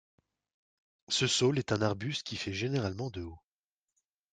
Ce saule est un arbuste qui fait généralement de haut.